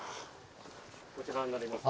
こちらになります。